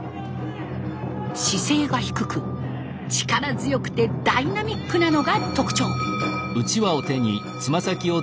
姿勢が低く力強くてダイナミックなのが特徴。